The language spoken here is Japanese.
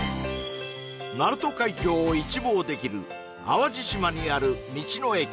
鳴門海峡を一望できる淡路島にある道の駅